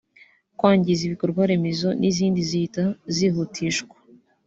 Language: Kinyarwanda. kwangiza ibikorwa remezo n’izindi zihita zihutishwa